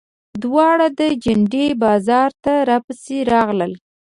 دواړه د جنډې بازار ته راپسې راغلل.